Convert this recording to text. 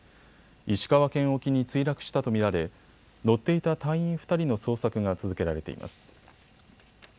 石川県沖に墜落したと見られ乗っていた隊員２人の捜索が続けられています。